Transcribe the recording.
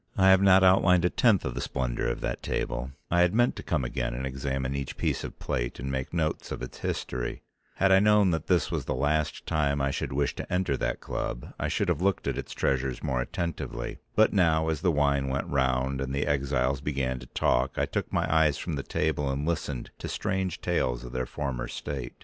I have not outlined a tenth of the splendour of that table, I had meant to come again and examine each piece of plate and make notes of its history; had I known that this was the last time I should wish to enter that club I should have looked at its treasures more attentively, but now as the wine went round and the exiles began to talk I took my eyes from the table and listened to strange tales of their former state.